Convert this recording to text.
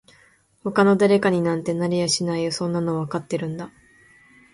他の誰かになんてなれやしないよそんなのわかってるんだ